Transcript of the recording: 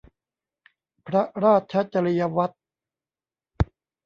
พระราชจริยวัตร